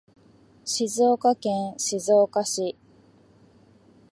静岡県静岡市